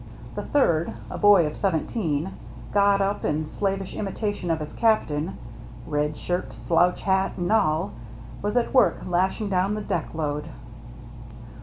The third, a boy of seventeen, got up in slavish imitation of his captain, — red shirt, slouch hat, and all, — was at work lashing down the deck load.